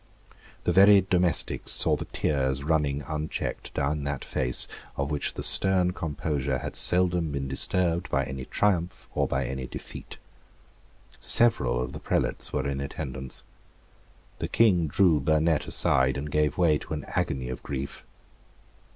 The very domestics saw the tears running unchecked down that face, of which the stern composure had seldom been disturbed by any triumph or by any defeat. Several of the prelates were in attendance. The King drew Burnet aside, and gave way to an agony of grief.